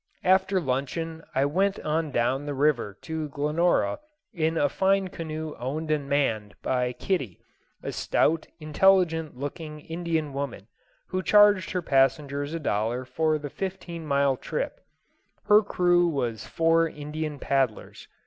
After luncheon I went on down the river to Glenora in a fine canoe owned and manned by Kitty, a stout, intelligent looking Indian woman, who charged her passengers a dollar for the fifteen mile trip. Her crew was four Indian paddlers.